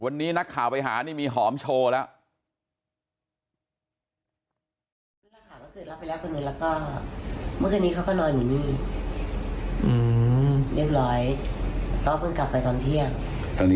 วันนี้นักข่าวไปหานี่มีหอมโชว์แล้ว